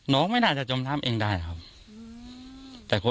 ไม่น่าจะจมน้ำเองได้ครับ